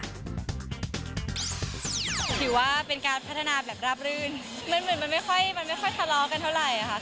ถือว่าเป็นการพัฒนาแบบราบลื่นมันไม่ค่อยทะลอกกันเท่าไหร่ค่ะ